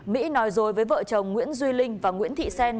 mỹ nói dối với vợ chồng nguyễn duy linh và nguyễn thị xen